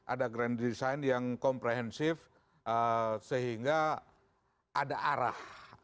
ada grand design yang komprehensif sehingga ada arah